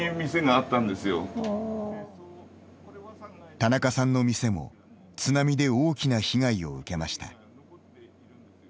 田中さんの店も、津波で大きな被害を受けました。